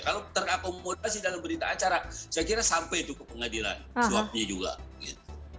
kalau terakomodasi dalam berita acara saya kira sampai itu ke pengadilan suapnya juga gitu